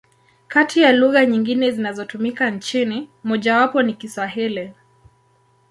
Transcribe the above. Kati ya lugha nyingine zinazotumika nchini, mojawapo ni Kiswahili.